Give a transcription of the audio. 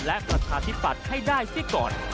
และประชาธิปัตย์ให้ได้ซิก่อน